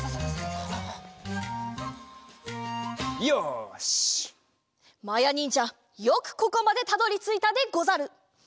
まやにんじゃよくここまでたどりついたでござる！